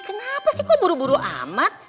kenapa sih kok buru buru amat